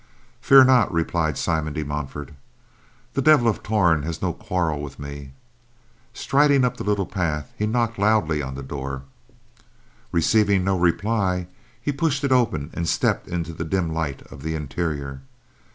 "Fear not," replied Simon de Montfort, "the Devil of Torn hath no quarrel with me." Striding up the little path, he knocked loudly on the door. Receiving no reply, he pushed it open and stepped into the dim light of the interior.